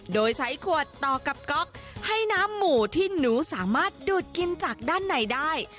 โดยใช้ขวดต่อกับก๊อกให้น้ำหมูที่หนูสามารถดูดกินจากด้านในได้